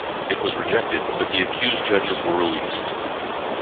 It was rejected, but the accused judges were released.